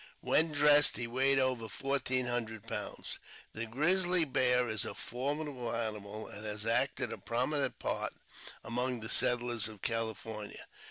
When dressed, he weighed over fourteen hundred pounds. The grizzly bear is a formidable animal, and has acted a prominent part among the settlers of California.